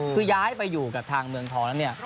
คือย้ายไปอยู่กับทางเมืองทองแล้วเนี่ย